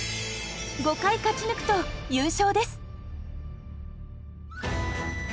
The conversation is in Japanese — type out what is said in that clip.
５回勝ち抜くと優勝です！